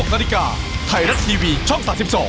นาฬิกาไทยรัฐทีวีช่อง๓๒